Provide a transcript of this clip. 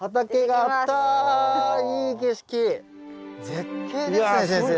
絶景ですね先生。